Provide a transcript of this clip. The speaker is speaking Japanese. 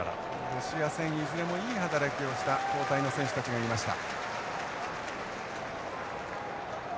ロシア戦いずれもいい働きをした交代の選手たちがいました。